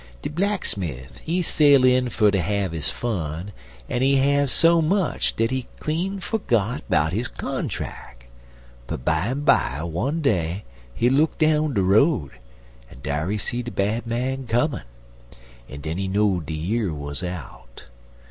"De blacksmif, he sail in fer ter have his fun, en he have so much dat he done clean forgot 'bout his contrack, but bimeby, one day he look down de road, en dar he see de Bad Man comin', en den he know'd de year wuz out.